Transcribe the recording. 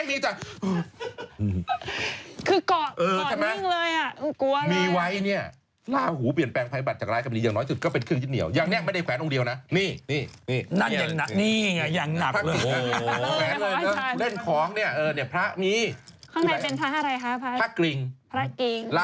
นั่งคือมีเรื่องแล้วเครื่องบินใหญ่ตกหลุมอาการ